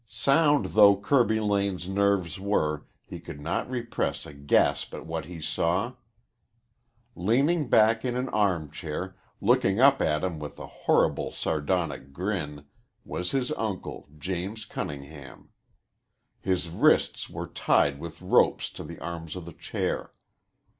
Sound though Kirby Lane's nerves were, he could not repress a gasp at what he saw. Leaning back in an armchair, looking up at him with a horrible sardonic grin, was his uncle James Cunningham. His wrists were tied with ropes to the arms of the chair.